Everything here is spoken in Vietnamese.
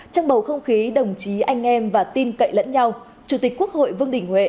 trong bầu không khí đồng chí anh em và tin cậy lẫn nhau chủ tịch quốc hội vương đình huệ